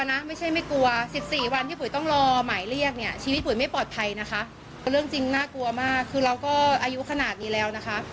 น่ากลัวมากคือเราก็อายุขนาดนี้แล้วนะคะ